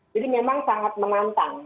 jadi memang sangat menantang